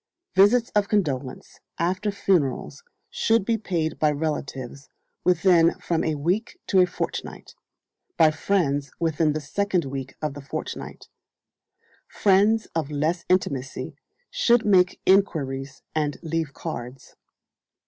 Visits of condolence after funerals should be paid by relatives within from a week to a fortnight; by friends within the second week of the fortnight; friends of less intimacy should make enquiries and leave cards.